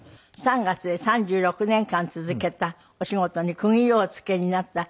３月で３６年間続けたお仕事に区切りをおつけになった。